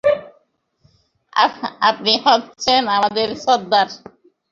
আপনি হচ্ছেন আমাদের সর্দার।